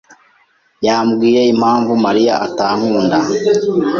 yambwiye impamvu Mariya atankunda.